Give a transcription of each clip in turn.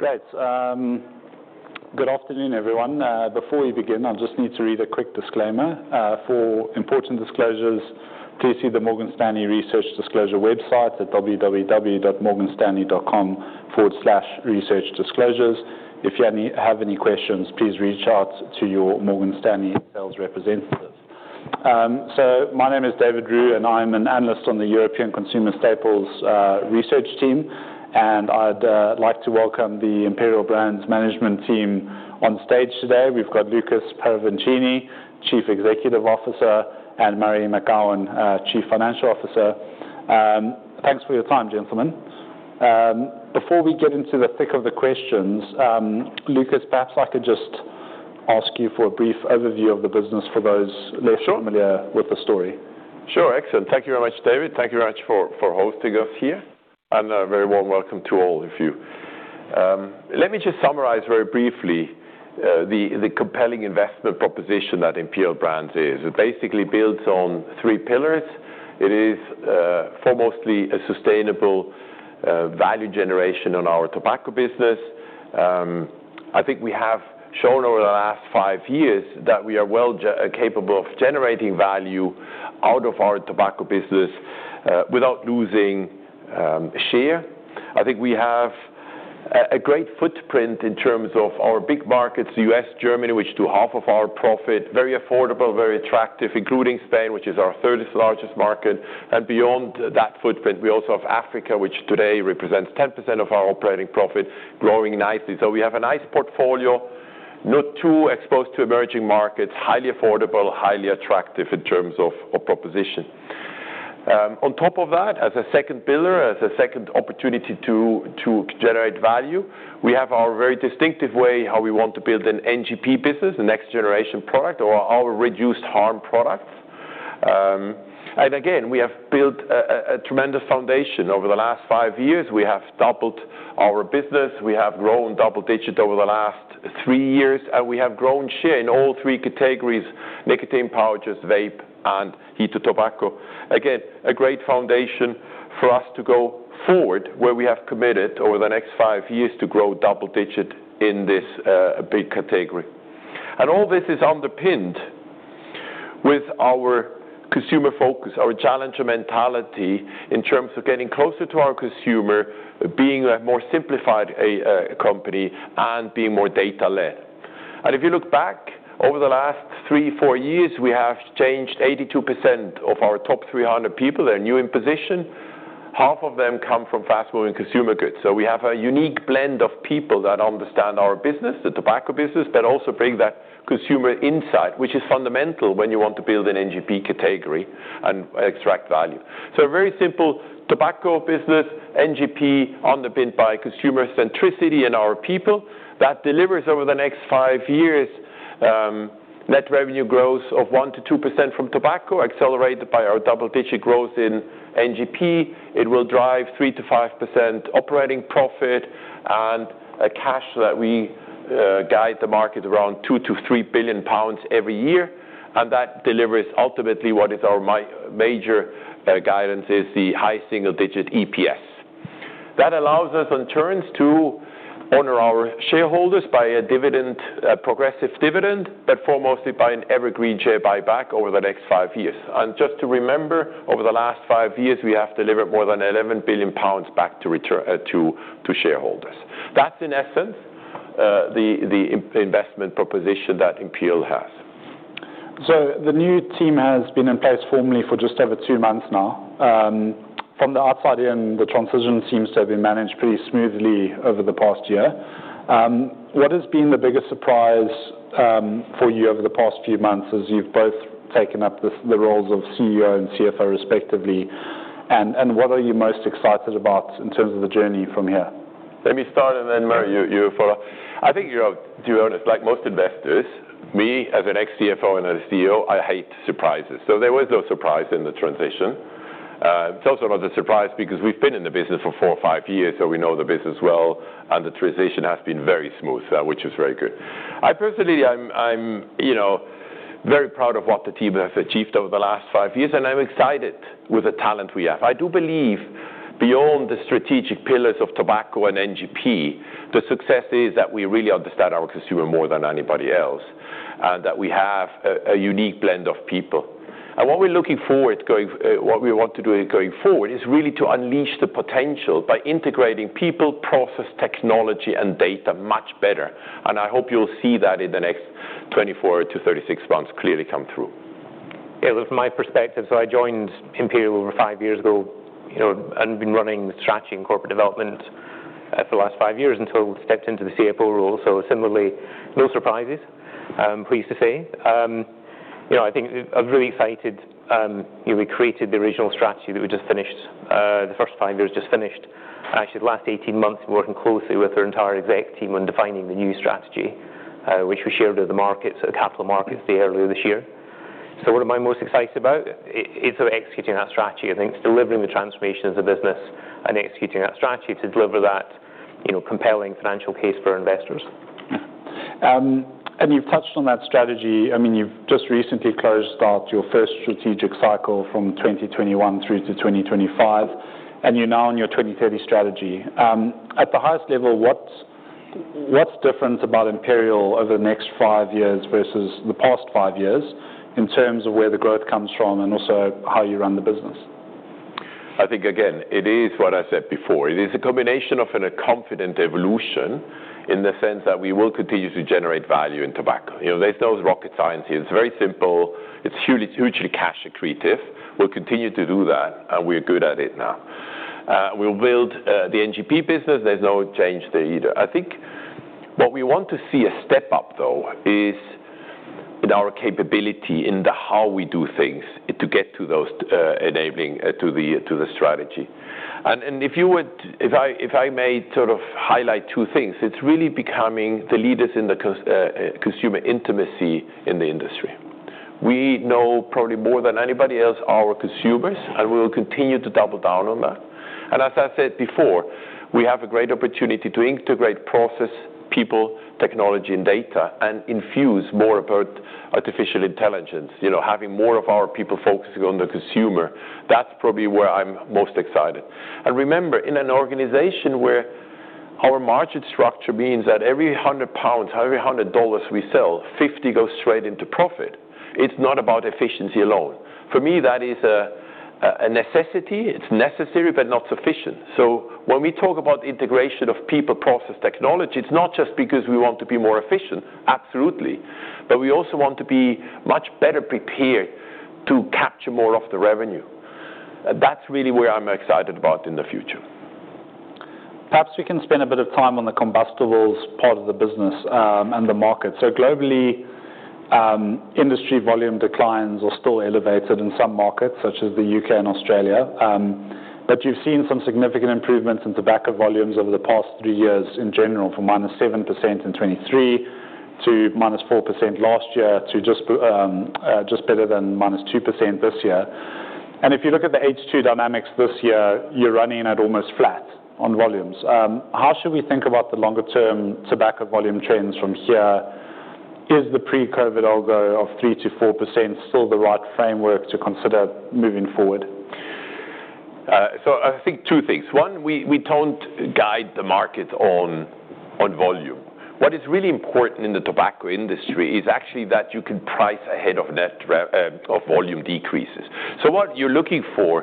Great. Good afternoon, everyone. Before we begin, I just need to read a quick disclaimer. For important disclosures, please see the Morgan Stanley Research Disclosure website at www.morganstanley.com/researchdisclosures. If you have any questions, please reach out to your Morgan Stanley sales representative. So my name is David Hayes, and I'm an analyst on the European Consumer Staples Research team. And I'd like to welcome the Imperial Brands Management team on stage today. We've got Lukas Paravicini, ChiefExecutive Officer, and Murray McGowan, Chief Financial Officer. Thanks for your time, gentlemen. Before we get into the thick of the questions, Lukas, perhaps I could just ask you for a brief overview of the business for those less familiar with the story. Sure. Excellent. Thank you very much, David. Thank you very much for hosting us here, and a very warm welcome to all of you. Let me just summarize very briefly the compelling investment proposition that Imperial Brands is. It basically builds on three pillars. It is foremostly a sustainable value generation on our tobacco business. I think we have shown over the last five years that we are well capable of generating value out of our tobacco business without losing share. I think we have a great footprint in terms of our big markets, the U.S., Germany, which do half of our profit. Very affordable, very attractive, including Spain, which is our third largest market, and beyond that footprint, we also have Africa, which today represents 10% of our operating profit, growing nicely. So we have a nice portfolio, not too exposed to emerging markets, highly affordable, highly attractive in terms of proposition. On top of that, as a second pillar, as a second opportunity to generate value, we have our very distinctive way how we want to build an NGP business, a next-generation product, or our reduced harm products. And again, we have built a tremendous foundation over the last five years. We have doubled our business. We have grown double-digit over the last three years. And we have grown share in all three categories: nicotine pouches, vape, and heated tobacco. Again, a great foundation for us to go forward, where we have committed over the next five years to grow double-digit in this big category. And all this is underpinned with our consumer focus, our challenger mentality in terms of getting closer to our consumer, being a more simplified company, and being more data-led. And if you look back over the last three, four years, we have changed 82% of our top 300 people. They're new in position. Half of them come from fast-moving consumer goods. So we have a unique blend of people that understand our business, the tobacco business, but also bring that consumer insight, which is fundamental when you want to build an NGP category and extract value. So a very simple tobacco business, NGP underpinned by consumer centricity and our people, that delivers over the next five years net revenue growth of 1%-2% from tobacco, accelerated by our double-digit growth in NGP. It will drive 3%-5% operating profit and cash that we guide the market around 2 billion-3 billion pounds every year. That delivers ultimately what is our major guidance is the high single-digit EPS. That allows us, in turn, to honor our shareholders by a progressive dividend, but foremostly by an evergreen share buyback over the next five years. Just to remember, over the last five years, we have delivered more than 11 billion pounds back to shareholders. That's, in essence, the investment proposition that Imperial has. So the new team has been in place formally for just over two months now. From the outside in, the transition seems to have been managed pretty smoothly over the past year. What has been the biggest surprise for you over the past few months as you've both taken up the roles of CEO and CFO respectively? And what are you most excited about in terms of the journey from here? Let me start, and then Murray, you follow. I think you're a dynamic duo. Honest. Like most investors, me as an ex-CFO and as a CEO, I hate surprises, so there was no surprise in the transition. It's also not a surprise because we've been in the business for four or five years, so we know the business well, and the transition has been very smooth, which is very good. I personally am very proud of what the team has achieved over the last five years, and I'm excited with the talent we have. I do believe beyond the strategic pillars of tobacco and NGP, the success is that we really understand our consumer more than anybody else and that we have a unique blend of people. What we're looking forward to, what we want to do going forward, is really to unleash the potential by integrating people, process, technology, and data much better. I hope you'll see that in the next 24-36 months clearly come through. Yeah. With my perspective, so I joined Imperial over five years ago and been running the strategy and corporate development for the last five years until I stepped into the CFO role. So similarly, no surprises, I'm pleased to say. I think I'm really excited. We created the original strategy that we just finished, the first five years just finished. Actually, the last 18 months, we're working closely with our entire exec team on defining the new strategy, which we shared with the markets, the capital markets earlier this year. So what am I most excited about? It's about executing that strategy. I think it's delivering the transformation as a business and executing that strategy to deliver that compelling financial case for our investors, You've touched on that strategy. I mean, you've just recently closed out your first strategic cycle from 2021 through to 2025. You're now on your 2030 strategy. At the highest level, what's different about Imperial over the next five years versus the past five years in terms of where the growth comes from and also how you run the business? I think, again, it is what I said before. It is a combination of a confident evolution in the sense that we will continue to generate value in tobacco. There's no rocket science here. It's very simple. It's hugely cash accretive. We'll continue to do that. And we're good at it now. We'll build the NGP business. There's no change there either. I think what we want to see a step up, though, is in our capability, in how we do things to get to those enabling to the strategy. And if I may sort of highlight two things, it's really becoming the leaders in the consumer intimacy in the industry. We know probably more than anybody else our consumers. And we will continue to double down on that. As I said before, we have a great opportunity to integrate process, people, technology, and data and infuse more about artificial intelligence, having more of our people focusing on the consumer. That's probably where I'm most excited. Remember, in an organization where our market structure means that every 100 pounds, every $100 we sell, 50 go straight into profit. It's not about efficiency alone. For me, that is a necessity. It's necessary, but not sufficient. When we talk about integration of people, process, technology, it's not just because we want to be more efficient, absolutely. We also want to be much better prepared to capture more of the revenue. That's really where I'm excited about in the future. Perhaps we can spend a bit of time on the combustibles part of the business and the market. So globally, industry volume declines are still elevated in some markets, such as the UK and Australia. But you've seen some significant improvements in tobacco volumes over the past three years in general, from -7% in 2023 to -4% last year to just better than -2% this year. And if you look at the H2 dynamics this year, you're running at almost flat on volumes. How should we think about the longer-term tobacco volume trends from here? Is the pre-COVID algo of 3%-4% still the right framework to consider moving forward? So I think two things. One, we don't guide the market on volume. What is really important in the tobacco industry is actually that you can price ahead of volume decreases. So what you're looking for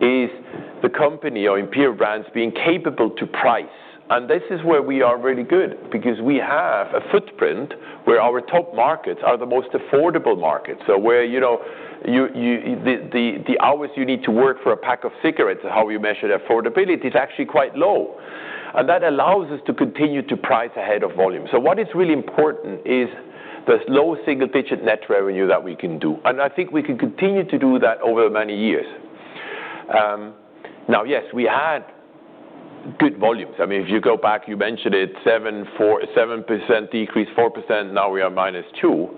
is the company or Imperial Brands being capable to price. And this is where we are really good because we have a footprint where our top markets are the most affordable markets. So where the hours you need to work for a pack of cigarettes and how we measure the affordability is actually quite low. And that allows us to continue to price ahead of volume. So what is really important is the low single-digit net revenue that we can do. And I think we can continue to do that over many years. Now, yes, we had good volumes. I mean, if you go back, you mentioned it, 7% decrease, 4%, now we are -2%.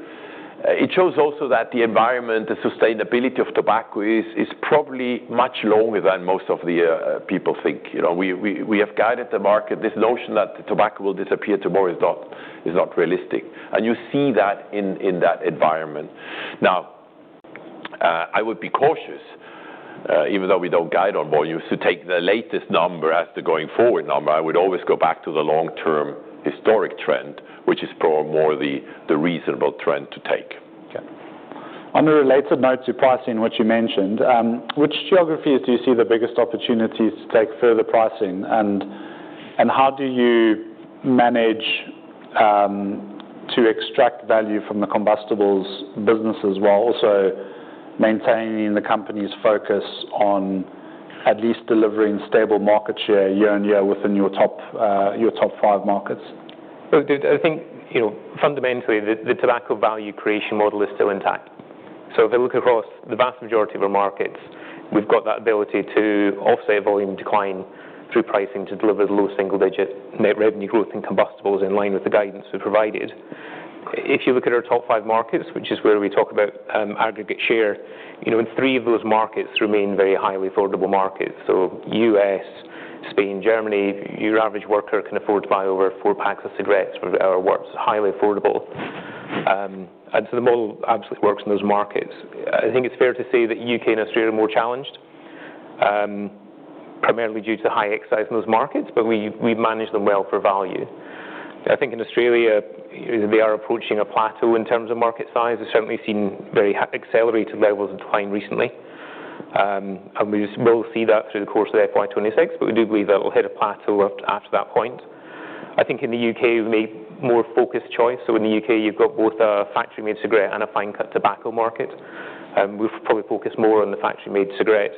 It shows also that the environment, the sustainability of tobacco is probably much longer than most of the people think. We have guided the market. This notion that tobacco will disappear tomorrow is not realistic. And you see that in that environment. Now, I would be cautious, even though we don't guide on volumes, to take the latest number as the going forward number. I would always go back to the long-term historic trend, which is probably more the reasonable trend to take. On the related note to pricing, which you mentioned, which geographies do you see the biggest opportunities to take further pricing? And how do you manage to extract value from the combustibles businesses while also maintaining the company's focus on at least delivering stable market share year on year within your top five markets? I think fundamentally, the tobacco value creation model is still intact. So if you look across the vast majority of our markets, we've got that ability to offset volume decline through pricing to deliver low single-digit net revenue growth in combustibles in line with the guidance we've provided. If you look at our top five markets, which is where we talk about aggregate share, three of those markets remain very highly affordable markets. So U.S., Spain, Germany, your average worker can afford to buy over four packs of cigarettes or works highly affordable. The model absolutely works in those markets. I think it's fair to say that U.K. and Australia are more challenged, primarily due to the high excise in those markets. But we manage them well for value. I think in Australia, they are approaching a plateau in terms of market size. We've certainly seen very accelerated levels of decline recently. We will see that through the course of FY 2026. But we do believe that it'll hit a plateau after that point. I think in the U.K., we made more focused choice. So in the U.K., you've got both a factory-made cigarette and a fine-cut tobacco market. We've probably focused more on the factory-made cigarette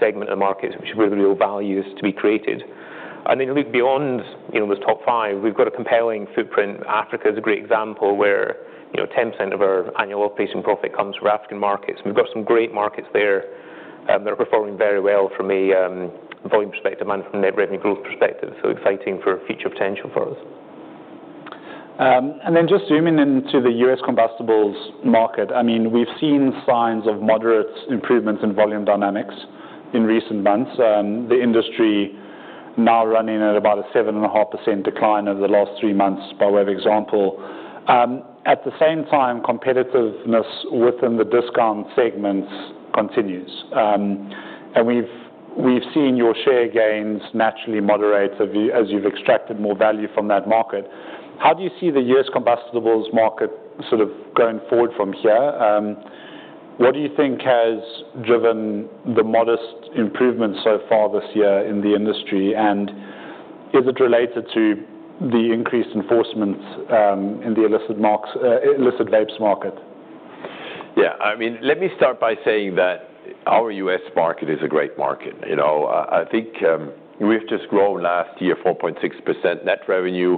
segment of the market, which is where the real value is to be created. And then you look beyond those top five, we've got a compelling footprint. Africa is a great example where 10% of our annual operating profit comes from African markets. And we've got some great markets there that are performing very well from a volume perspective and from a net revenue growth perspective. So exciting for future potential for us. And then just zooming into the U.S. combustibles market, I mean, we've seen signs of moderate improvements in volume dynamics in recent months. The industry now running at about a 7.5% decline over the last three months by way of example. At the same time, competitiveness within the discount segments continues. And we've seen your share gains naturally moderate as you've extracted more value from that market. How do you see the U.S. combustibles market sort of going forward from here? What do you think has driven the modest improvement so far this year in the industry? Is it related to the increased enforcement in the illicit vapes market? Yeah. I mean, let me start by saying that our U.S. market is a great market. I think we've just grown last year 4.6% net revenue,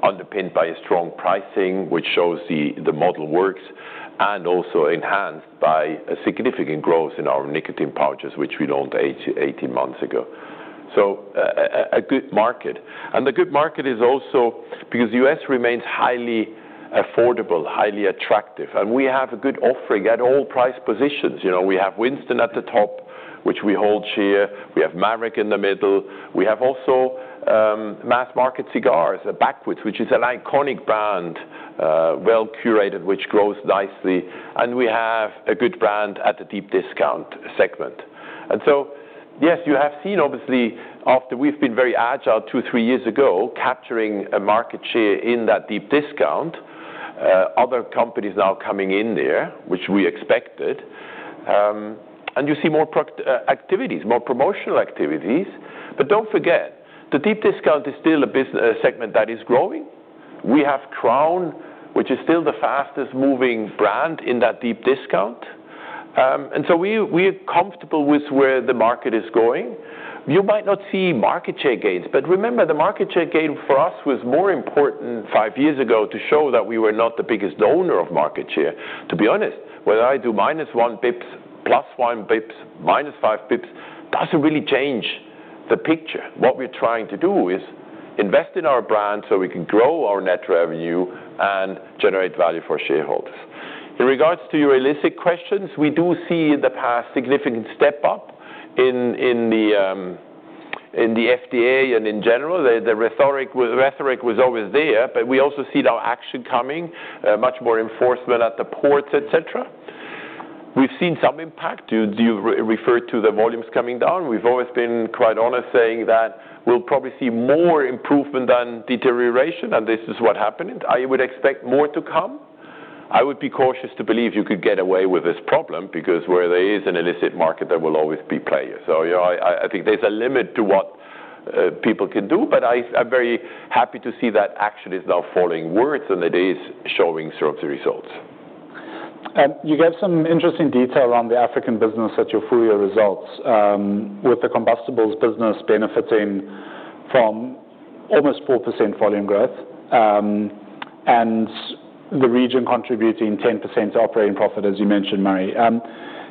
underpinned by strong pricing, which shows the model works, and also enhanced by significant growth in our nicotine pouches, which we launched 18 months ago. So a good market. And the good market is also because the U.S. remains highly affordable, highly attractive. And we have a good offering at all price positions. We have Winston at the top, which we hold share. We have Maverick in the middle. We have also mass-market cigars, Backwoods, which is an iconic brand, well-curated, which grows nicely. And we have a good brand at the deep discount segment. And so, yes, you have seen, obviously, after we've been very agile two, three years ago, capturing a market share in that deep discount, other companies now coming in there, which we expected. And you see more activities, more promotional activities. But don't forget, the deep discount is still a segment that is growing. We have Crowns, which is still the fastest-moving brand in that deep discount. And so we are comfortable with where the market is going. You might not see market share gains. But remember, the market share gain for us was more important five years ago to show that we were not the biggest owner of market share. To be honest, whether I do minus one basis points, plus one basis points, minus five basis points, doesn't really change the picture. What we're trying to do is invest in our brand so we can grow our net revenue and generate value for shareholders. In regards to your illicit questions, we do see in the past significant step up in the FDA and in general. The rhetoric was always there. But we also see now action coming, much more enforcement at the ports, etc. We've seen some impact. You referred to the volumes coming down. We've always been quite honest saying that we'll probably see more improvement than deterioration. And this is what happened. I would expect more to come. I would be cautious to believe you could get away with this problem because where there is an illicit market, there will always be players. So I think there's a limit to what people can do. But I'm very happy to see that action is now forward. It is showing sort of the results. You gave some interesting detail on the African business at your full-year results with the combustibles business benefiting from almost 4% volume growth and the region contributing 10% to operating profit, as you mentioned, Murray.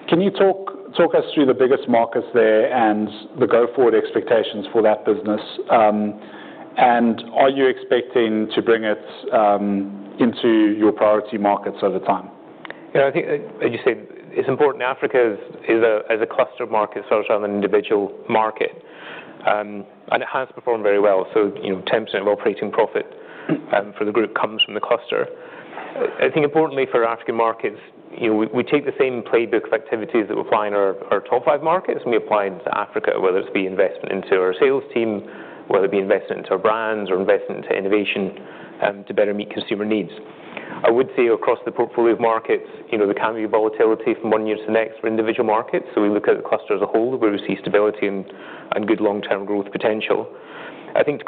Can you talk us through the biggest markets there and the go-forward expectations for that business? And are you expecting to bring it into your priority markets over time? Yeah. I think, as you said, it's important Africa is a cluster market, sort of an individual market. And it has performed very well. So 10% of operating profit for the group comes from the cluster. I think, importantly for African markets, we take the same playbook of activities that we apply in our top five markets. And we apply it to Africa, whether it be investment into our sales team, whether it be investment into our brands, or investment into innovation to better meet consumer needs. I would say across the portfolio of markets, there can be volatility from one year to the next for individual markets. So we look at the cluster as a whole where we see stability and good long-term growth potential. I think, to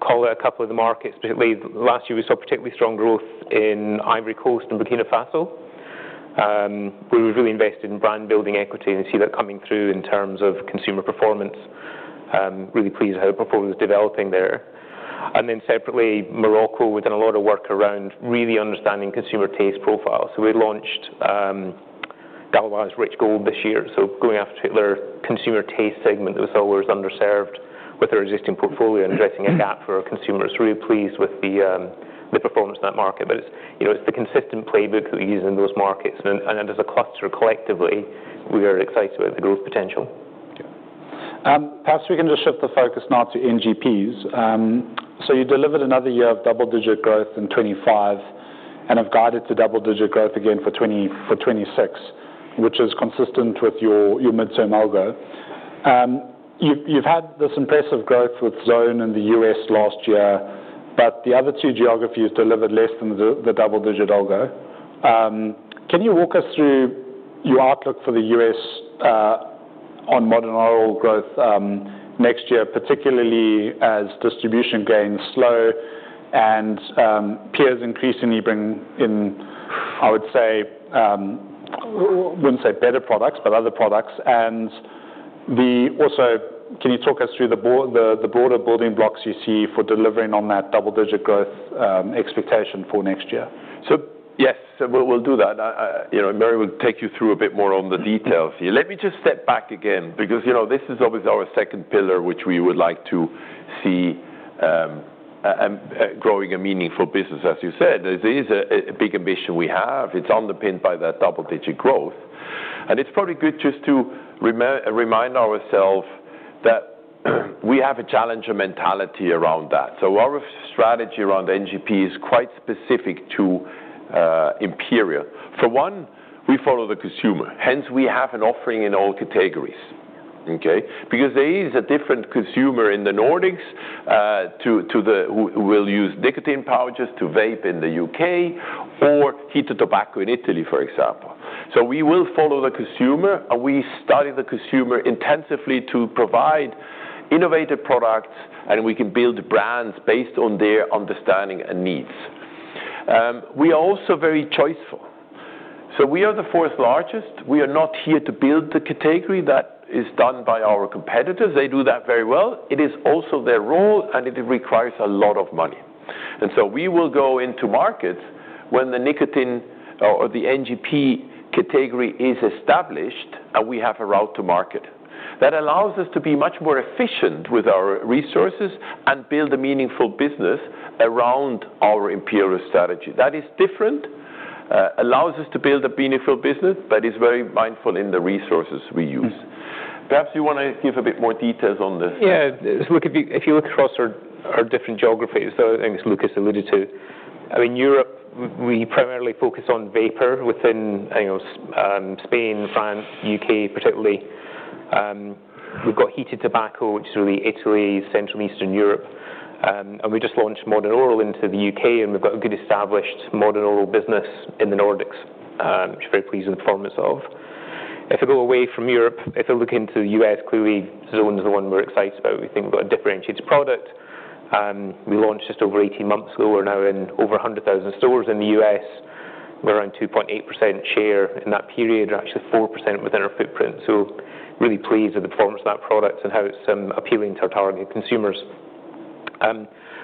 call out a couple of the markets, particularly last year, we saw particularly strong growth in Ivory Coast and Burkina Faso, where we've really invested in brand-building equity and see that coming through in terms of consumer performance. Really pleased how the performance is developing there, and then separately, Morocco, we've done a lot of work around really understanding consumer taste profiles, so we launched Gauloises Rich Gold this year, so going after their consumer taste segment that was always underserved with our existing portfolio and addressing a gap for our consumers. Really pleased with the performance in that market, but it's the consistent playbook that we use in those markets, and as a cluster collectively, we are excited about the growth potential. Perhaps we can just shift the focus now to NGPs. So you delivered another year of double-digit growth in 2025 and have guided to double-digit growth again for 2026, which is consistent with your mid-term algo. You've had this impressive growth with Zone and the U.S. last year. But the other two geographies delivered less than the double-digit algo. Can you walk us through your outlook for the U.S. on modern oral growth next year, particularly as distribution gains slow and peers increasingly bring in, I would say, I wouldn't say better products, but other products? And also, can you talk us through the broader building blocks you see for delivering on that double-digit growth expectation for next year? So yes, we'll do that. Murray will take you through a bit more on the details here. Let me just step back again because this is obviously our second pillar, which we would like to see growing a meaningful business, as you said. There is a big ambition we have. It's underpinned by that double-digit growth. And it's probably good just to remind ourselves that we have a challenger mentality around that. So our strategy around NGP is quite specific to Imperial. For one, we follow the consumer. Hence, we have an offering in all categories. Because there is a different consumer in the Nordics who will use nicotine pouches to vape in the U.K. or heated tobacco in Italy, for example. So we will follow the consumer. And we study the consumer intensively to provide innovative products. And we can build brands based on their understanding and needs. We are also very choiceful, so we are the fourth largest. We are not here to build the category that is done by our competitors. They do that very well. It is also their role, and it requires a lot of money, and so we will go into markets when the nicotine or the NGP category is established, and we have a route to market. That allows us to be much more efficient with our resources and build a meaningful business around our Imperial strategy. That is different, allows us to build a meaningful business, but is very mindful in the resources we use. Perhaps you want to give a bit more details on this. Yeah. If you look across our different geographies, though, I think Lukas alluded to, I mean, Europe, we primarily focus on vape within Spain, France, U.K., particularly. We've got heated tobacco, which is really Italy, Central, Eastern Europe. And we just launched modern oral into the U.K. And we've got a good established modern oral business in the Nordics, which we're very pleased with the performance of. If I go away from Europe, if I look into the U.S., clearly, Zone is the one we're excited about. We think we've got a differentiated product. We launched just over 18 months ago. We're now in over 100,000 stores in the U.S. We're around 2.8% share in that period, and actually 4% within our footprint. So really pleased with the performance of that product and how it's appealing to our target consumers.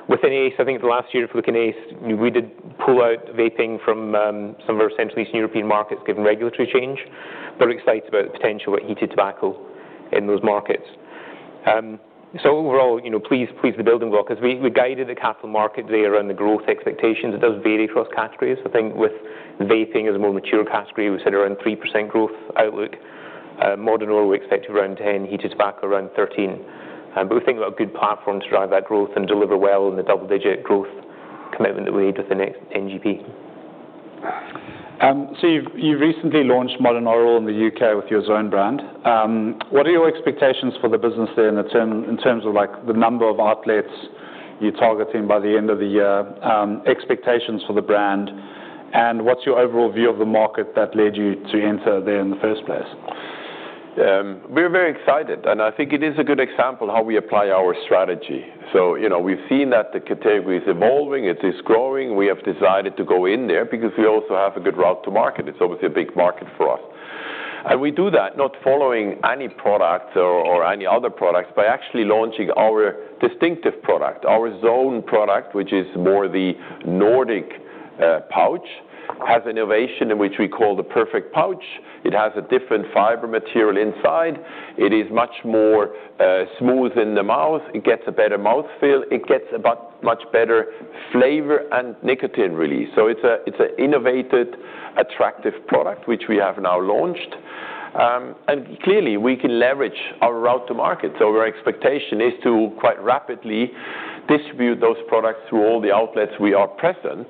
Within ACE, I think the last year, if we look in ACE, we did pull out vaping from some of our Central, Eastern European markets given regulatory change. But we're excited about the potential with heated tobacco in those markets. So overall, pleased with the building block. We guided the capital market today around the growth expectations. It does vary across categories. I think with vaping as a more mature category, we said around 3% growth outlook. Modern Oral, we expect around 10%. Heated tobacco, around 13%. But we think we've got a good platform to drive that growth and deliver well in the double-digit growth commitment that we made with the next NGP. So you've recently launched Modern Oral in the U.K. with your Zone brand. What are your expectations for the business there in terms of the number of outlets you're targeting by the end of the year? Expectations for the brand? And what's your overall view of the market that led you to enter there in the first place? We're very excited, and I think it is a good example of how we apply our strategy, so we've seen that the category is evolving. It is growing. We have decided to go in there because we also have a good route to market. It's obviously a big market for us, and we do that not following any product or any other products, but actually launching our distinctive product, our Zone product, which is more the Nordic pouch, has an innovation in which we call the perfect pouch. It has a different fiber material inside. It is much more smooth in the mouth. It gets a better mouthfeel. It gets much better flavor and nicotine release, so it's an innovative, attractive product, which we have now launched, and clearly, we can leverage our route to market. So our expectation is to quite rapidly distribute those products through all the outlets we are present.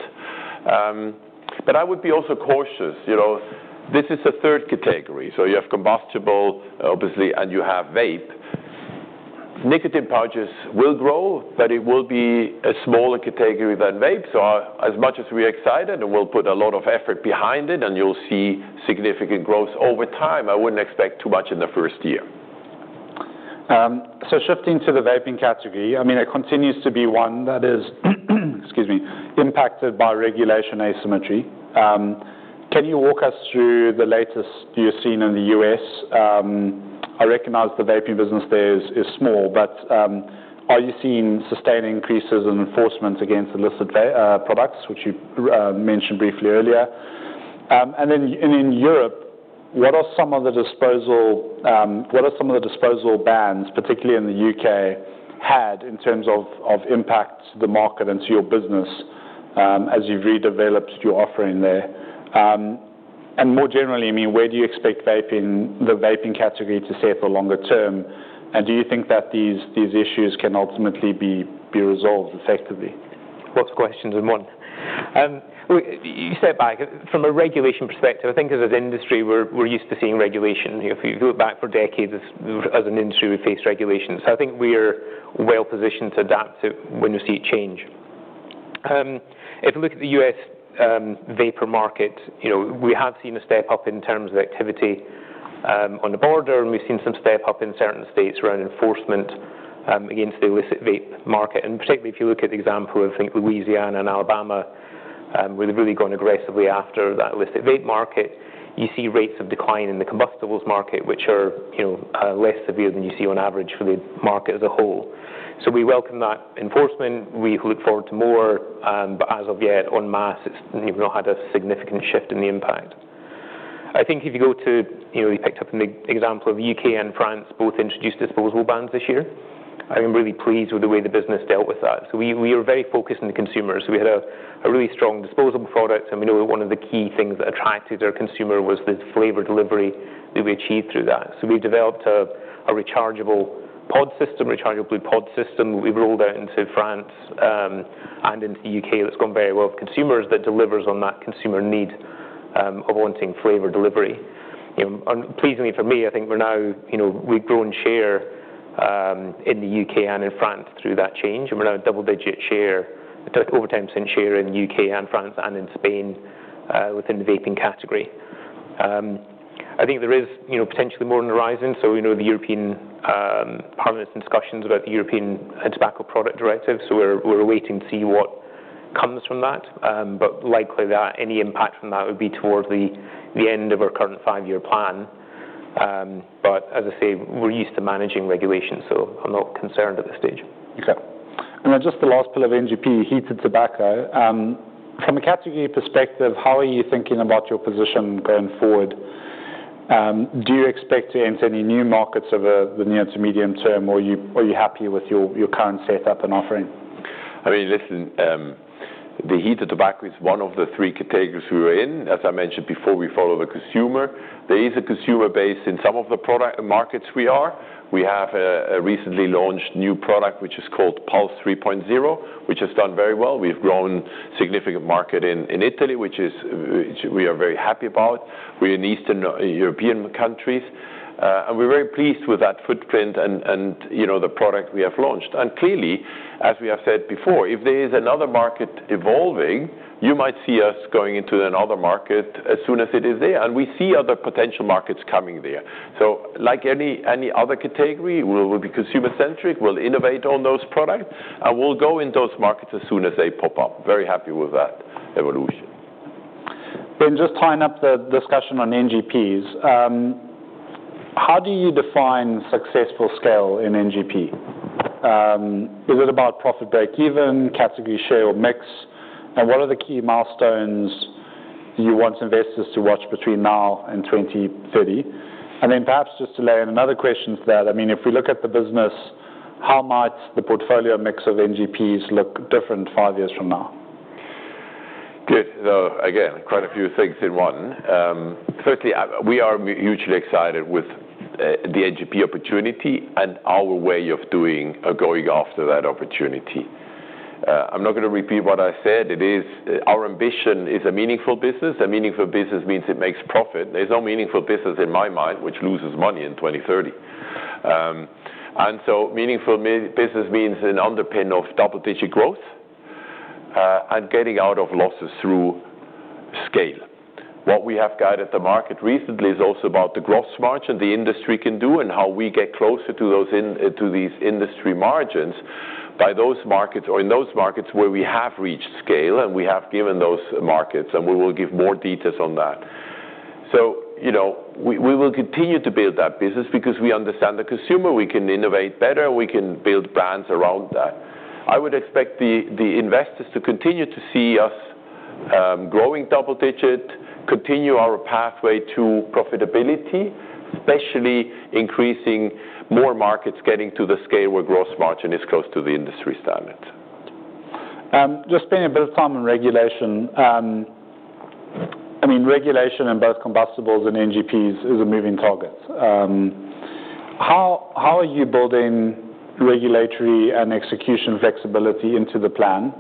But I would be also cautious. This is a third category. So you have combustibles, obviously, and you have vape. Nicotine pouches will grow, but it will be a smaller category than vape. So as much as we're excited, and we'll put a lot of effort behind it, and you'll see significant growth over time. I wouldn't expect too much in the first year. So shifting to the vaping category, I mean, it continues to be one that is, excuse me, impacted by regulation asymmetry. Can you walk us through the latest you've seen in the U.S.? I recognize the vaping business there is small. But are you seeing sustained increases in enforcement against illicit products, which you mentioned briefly earlier? And then in Europe, what are some of the disposable bans, particularly in the U.K., had in terms of impact to the market and to your business as you've redeveloped your offering there? And more generally, I mean, where do you expect the vaping category to sit for longer-term? And do you think that these issues can ultimately be resolved effectively? Lots of questions in one. You step back. From a regulation perspective, I think as an industry, we're used to seeing regulation. If you go back for decades, as an industry, we've faced regulations. So I think we are well positioned to adapt to when we see change. If you look at the U.S. vapor market, we have seen a step up in terms of activity on the border. And we've seen some step up in certain states around enforcement against the illicit vape market. And particularly if you look at the example of, I think, Louisiana and Alabama, where they've really gone aggressively after that illicit vape market, you see rates of decline in the combustibles market, which are less severe than you see on average for the market as a whole. So we welcome that enforcement. We look forward to more. But as of yet, en masse, we've not had a significant shift in the impact. I think if you go to, you picked up in the example of the U.K. and France both introduced disposable bans this year. I'm really pleased with the way the business dealt with that. So we are very focused on the consumers. We had a really strong disposable product. And we know that one of the key things that attracted our consumer was the flavor delivery that we achieved through that. So we developed a rechargeable pod system, rechargeable Blu Pod System that we've rolled out into France and into the U.K. That's gone very well with consumers that delivers on that consumer need of wanting flavor delivery. And pleasingly for me, I think we're now. We've grown share in the U.K. and in France through that change. We're now a double-digit share, over 10% share in the U.K. and France and in Spain within the vaping category. I think there is potentially more on the horizon. We know the European Parliament's discussions about the European Tobacco Products Directive. We're waiting to see what comes from that. Likely that any impact from that would be towards the end of our current five-year plan. As I say, we're used to managing regulation. I'm not concerned at this stage. Okay. And then just the last pillar of NGP, heated tobacco. From a category perspective, how are you thinking about your position going forward? Do you expect to enter any new markets over the near to medium term, or are you happy with your current setup and offering? I mean, listen, the heated tobacco is one of the three categories we were in. As I mentioned before, we follow the consumer. There is a consumer base in some of the product markets we are. We have a recently launched new product, which is called Pulze 3.0, which has done very well. We've grown significant market in Italy, which we are very happy about. We're in Eastern European countries, and we're very pleased with that footprint and the product we have launched, and clearly, as we have said before, if there is another market evolving, you might see us going into another market as soon as it is there, and we see other potential markets coming there, so like any other category, we'll be consumer-centric. We'll innovate on those products, and we'll go into those markets as soon as they pop up. Very happy with that evolution. Then just tying up the discussion on NGPs, how do you define successful scale in NGPs? Is it about profit breakeven, category share, or mix? And what are the key milestones you want investors to watch between now and 2030? And then perhaps just to lay in another question to that, I mean, if we look at the business, how might the portfolio mix of NGPs look different five years from now? Good. Again, quite a few things in one. Firstly, we are hugely excited with the NGP opportunity and our way of doing or going after that opportunity. I'm not going to repeat what I said. It is our ambition is a meaningful business. A meaningful business means it makes profit. There's no meaningful business in my mind which loses money in 2030, and so meaningful business means an underpin of double-digit growth and getting out of losses through scale. What we have guided the market recently is also about the gross margin the industry can do and how we get closer to these industry margins by those markets or in those markets where we have reached scale and we have given those markets and we will give more details on that, so we will continue to build that business because we understand the consumer. We can innovate better. We can build brands around that. I would expect the investors to continue to see us growing double-digit, continue our pathway to profitability, especially increasing more markets getting to the scale where gross margin is close to the industry standards. Just spending a bit of time on regulation. I mean, regulation in both combustibles and NGPs is a moving target. How are you building regulatory and execution flexibility into the plan?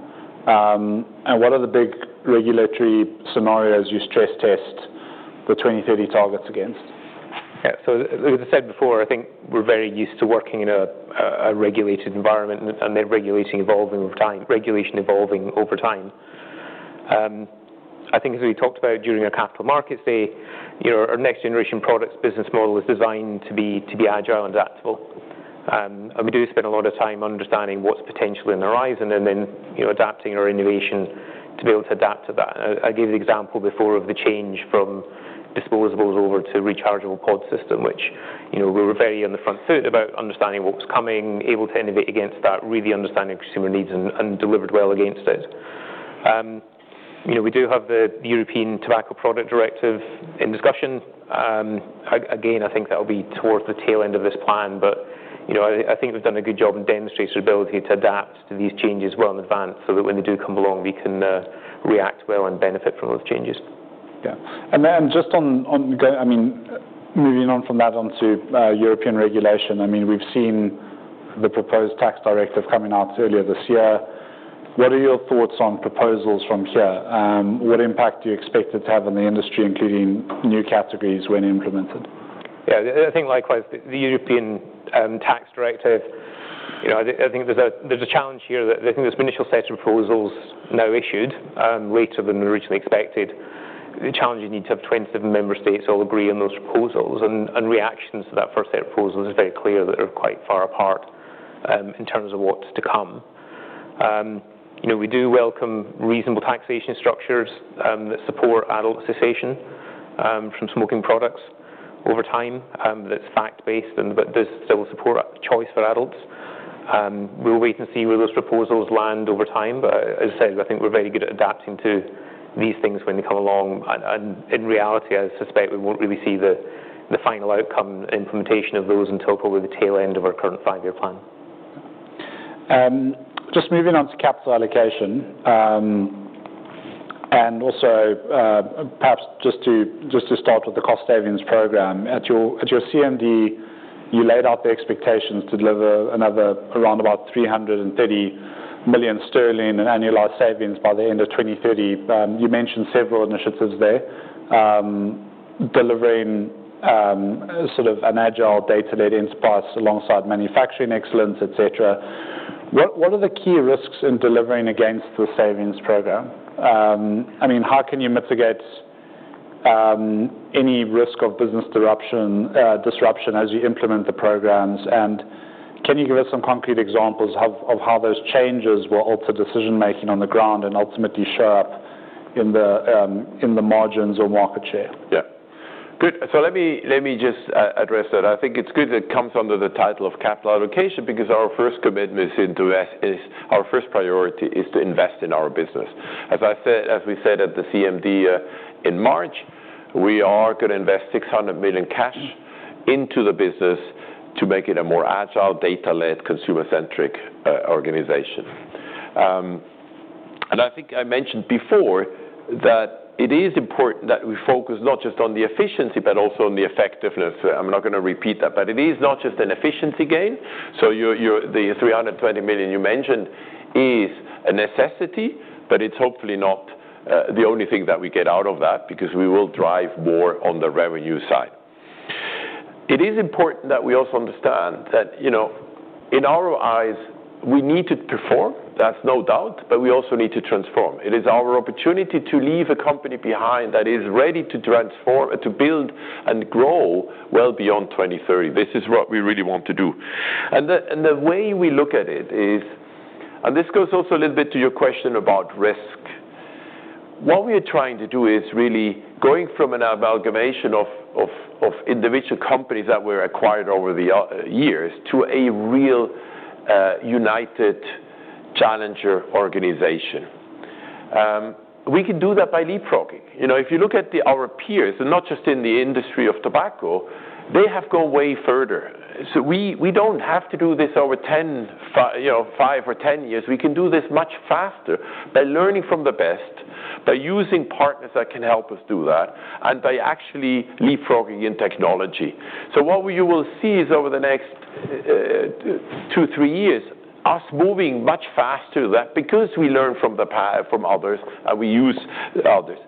And what are the big regulatory scenarios you stress test the 2030 targets against? Yeah. So as I said before, I think we're very used to working in a regulated environment and regulation evolving over time, regulation evolving over time. I think as we talked about during our capital markets day, our Next Generation Products business model is designed to be agile and adaptable. And we do spend a lot of time understanding what's potentially on the horizon and then adapting our innovation to be able to adapt to that. And I gave the example before of the change from disposables over to rechargeable pod system, which we were very on the front foot about understanding what was coming, able to innovate against that, really understanding consumer needs, and delivered well against it. We do have the European Tobacco Products Directive in discussion. Again, I think that will be towards the tail end of this plan. I think we've done a good job in demonstrating ability to adapt to these changes well in advance so that when they do come along, we can react well and benefit from those changes. Yeah. And then just on, I mean, moving on from that onto European regulation. I mean, we've seen the proposed tax directive coming out earlier this year. What are your thoughts on proposals from here? What impact do you expect it to have on the industry, including new categories when implemented? Yeah. I think likewise, the European tax directive. I think there's a challenge here that I think this initial set of proposals now issued later than originally expected. The challenge is you need to have 27 member states all agree on those proposals. And reactions to that first set of proposals is very clear that they're quite far apart in terms of what's to come. We do welcome reasonable taxation structures that support adult cessation from smoking products over time. That's fact-based, but does still support choice for adults. We'll wait and see where those proposals land over time. But as I said, I think we're very good at adapting to these things when they come along. And in reality, I suspect we won't really see the final outcome implementation of those until probably the tail end of our current five-year plan. Just moving on to capital allocation. And also perhaps just to start with the cost savings program. At your CMD, you laid out the expectations to deliver around about 330 million sterling in annualized savings by the end of 2030. You mentioned several initiatives there, delivering sort of an agile data-led enterprise alongside manufacturing excellence, etc. What are the key risks in delivering against the savings program? I mean, how can you mitigate any risk of business disruption as you implement the programs? And can you give us some concrete examples of how those changes will alter decision-making on the ground and ultimately show up in the margins or market share? Yeah. Good. So let me just address that. I think it's good that it comes under the title of capital allocation because our first commitment is to invest. Our first priority is to invest in our business. As I said, as we said at the CMD in March, we are going to invest 600 million cash into the business to make it a more agile, data-led, consumer-centric organization. And I think I mentioned before that it is important that we focus not just on the efficiency, but also on the effectiveness. I'm not going to repeat that. But it is not just an efficiency gain. So the 320 million you mentioned is a necessity, but it's hopefully not the only thing that we get out of that because we will drive more on the revenue side. It is important that we also understand that in our eyes, we need to perform. That's no doubt. But we also need to transform. It is our opportunity to leave a company behind that is ready to transform, to build, and grow well beyond 2030. This is what we really want to do. And the way we look at it is, and this goes also a little bit to your question about risk. What we are trying to do is really going from an amalgamation of individual companies that were acquired over the years to a real united challenger organization. We can do that by leapfrogging. If you look at our peers, and not just in the industry of tobacco, they have gone way further. So we don't have to do this over five or ten years. We can do this much faster by learning from the best, by using partners that can help us do that, and by actually leapfrogging in technology. So what you will see is over the next two, three years, us moving much faster than that because we learn from others and we use others.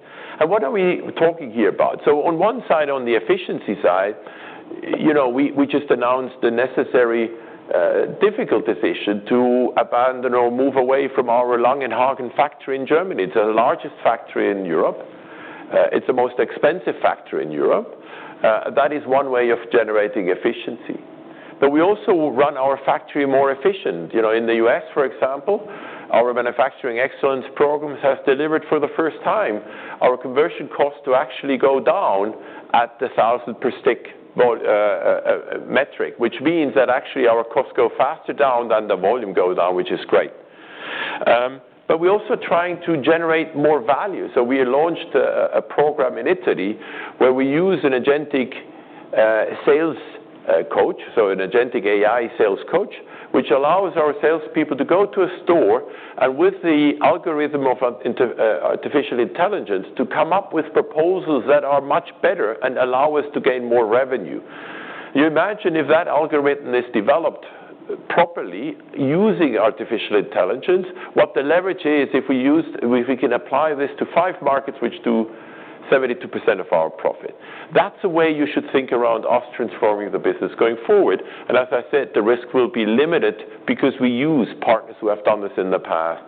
And what are we talking here about? So on one side, on the efficiency side, we just announced the necessary difficult decision to abandon or move away from our Langenhagen factory in Germany. It's the largest factory in Europe. It's the most expensive factory in Europe. That is one way of generating efficiency. But we also run our factory more efficient. In the U.S., for example, our manufacturing excellence programs have delivered for the first time. Our conversion costs have actually gone down at the 1,000 per stick metric, which means that actually our costs go faster down than the volume goes down, which is great. But we're also trying to generate more value. So we launched a program in Italy where we use an agentic sales coach, so an agentic AI sales coach, which allows our salespeople to go to a store and with the algorithm of artificial intelligence to come up with proposals that are much better and allow us to gain more revenue. You imagine if that algorithm is developed properly using artificial intelligence, what the leverage is if we can apply this to five markets, which do 72% of our profit. That's the way you should think around us transforming the business going forward. As I said, the risk will be limited because we use partners who have done this in the past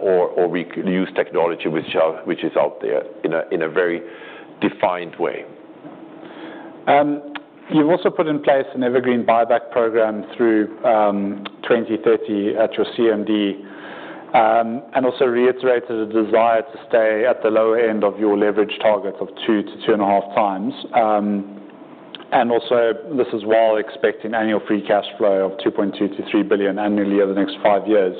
or we use technology which is out there in a very defined way. You've also put in place an evergreen buyback program through 2030 at your CMD and also reiterated a desire to stay at the lower end of your leverage targets of two to two and a half times, and also this is while expecting annual free cash flow of 2.2 bilion-GBP 3 billion annually over the next five years.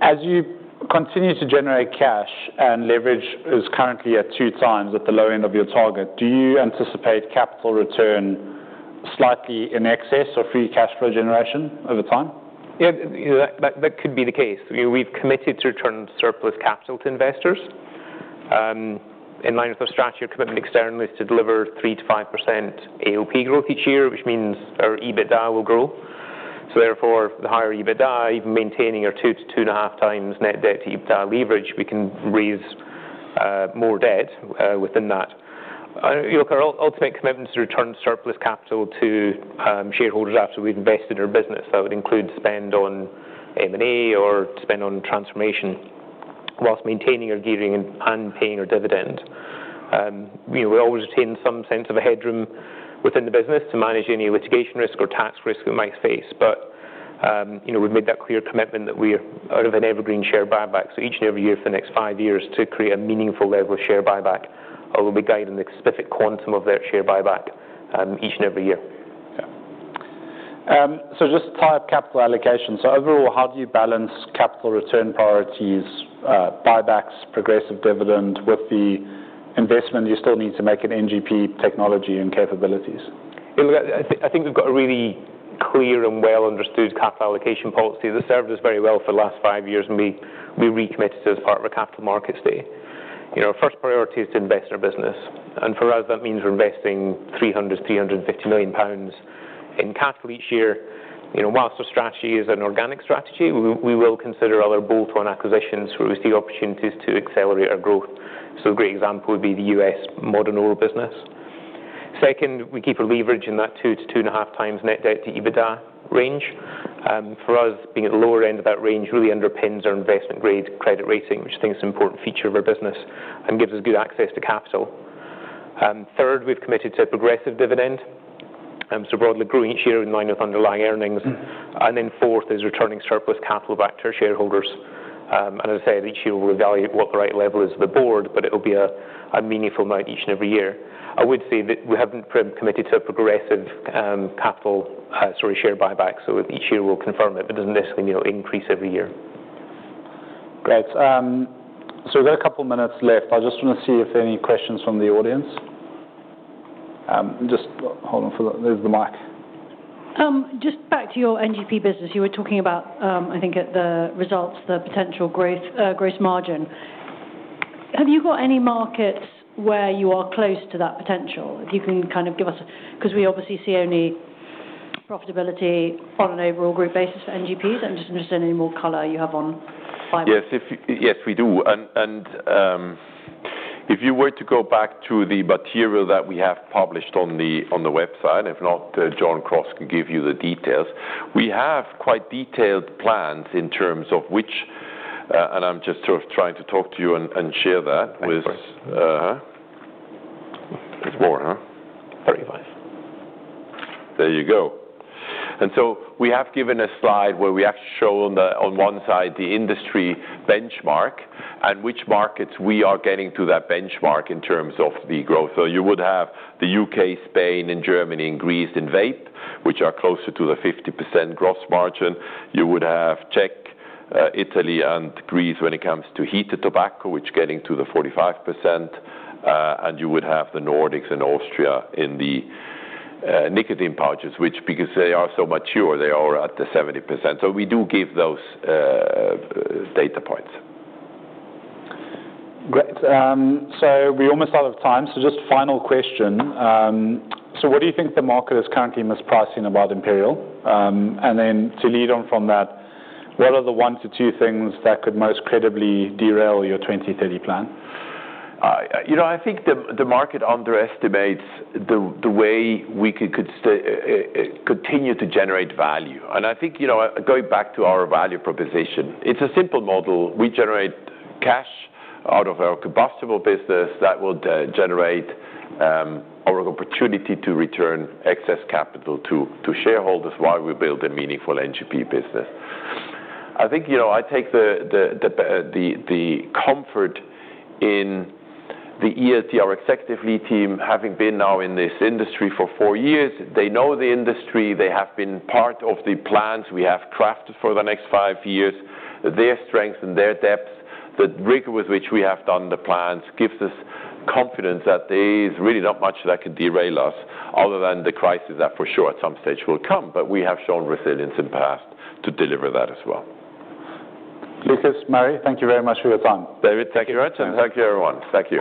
As you continue to generate cash and leverage is currently at two times at the low end of your target, do you anticipate capital return slightly in excess of free cash flow generation over time? Yeah. That could be the case. We've committed to return surplus capital to investors. In line with our strategy, our commitment externally is to deliver 3%-5% AOP growth each year, which means our EBITDA will grow. So therefore, the higher EBITDA, even maintaining our 2x-2.5x net debt to EBITDA leverage, we can raise more debt within that. Our ultimate commitment is to return surplus capital to shareholders after we've invested in our business. That would include spend on M&A or spend on transformation whilst maintaining our gearing and paying our dividend. We always retain some sense of a headroom within the business to manage any litigation risk or tax risk we might face. But we've made that clear commitment that we're out of an evergreen share buyback. So, each and every year for the next five years to create a meaningful level of share buyback. We'll be guiding the specific quantum of that share buyback each and every year. Yeah. So just type capital allocation. So overall, how do you balance capital return priorities, buybacks, progressive dividend with the investment you still need to make in NGP technology and capabilities? I think we've got a really clear and well-understood capital allocation policy that served us very well for the last five years, and we recommitted to it as part of our Capital Markets Day. Our first priority is to invest in our business. For us, that means we're investing 300 million-350 million pounds in capital each year. While our strategy is an organic strategy, we will consider other bolt-on acquisitions where we see opportunities to accelerate our growth. A great example would be the U.S. modern oral business. Second, we keep our leverage in that 2 and 2.5x net debt to EBITDA range. For us, being at the lower end of that range really underpins our investment-grade credit rating, which I think is an important feature of our business and gives us good access to capital. Third, we've committed to a progressive dividend, so broadly growing each year in line with underlying earnings, and then fourth is returning surplus capital back to our shareholders, and as I said, each year we'll evaluate what the right level is to the board, but it will be a meaningful amount each and every year. I would say that we haven't committed to a progressive capital, sorry, share buyback, so each year we'll confirm it, but it doesn't necessarily mean it'll increase every year. Great. So we've got a couple of minutes left. I just want to see if there are any questions from the audience. Just hold on for the mic. There's the mic. Just back to your NGP business. You were talking about, I think, at the results, the potential gross margin. Have you got any markets where you are close to that potential? If you can kind of give us, because we obviously see only profitability on an overall group basis for NGPs. I'm just interested in any more color you have on buyback. Yes. Yes, we do. And if you were to go back to the material that we have published on the website, if not, John Cross can give you the details. We have quite detailed plans in terms of which, and I'm just sort of trying to talk to you and share that with. Of course. There's more, huh? 35. There you go. And so we have given a slide where we actually show on one side the industry benchmark and which markets we are getting to that benchmark in terms of the growth. So you would have the U.K., Spain, and Germany, and Greece in vape, which are closer to the 50% gross margin. You would have Czech, Italy, and Greece when it comes to heated tobacco, which is getting to the 45%. And you would have the Nordics and Austria in the nicotine pouches, which, because they are so mature, they are at the 70%. So we do give those data points. Great. So we're almost out of time. So just final question. So what do you think the market is currently mispricing about Imperial? And then to lead on from that, what are the one to two things that could most credibly derail your 2030 plan? I think the market underestimates the way we could continue to generate value, and I think going back to our value proposition, it's a simple model. We generate cash out of our combustible business that will generate our opportunity to return excess capital to shareholders while we build a meaningful NGP business. I think I take the comfort in the ELT, our executive leadership team, having been now in this industry for four years. They know the industry. They have been part of the plans we have crafted for the next five years. Their strength and their depth, the rigor with which we have done the plans, gives us confidence that there is really not much that could derail us other than the crisis that for sure at some stage will come, but we have shown resilience in the past to deliver that as well. Lukas, Murray, thank you very much for your time. David, thank you very much. Thank you. Thank you, everyone. Thank you.